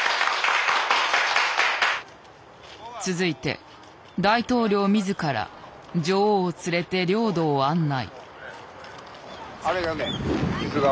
続いて大統領自ら女王を連れて領土を案内。